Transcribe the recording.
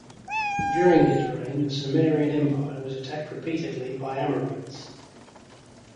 During his reign, the Sumerian empire was attacked repeatedly by Amorites.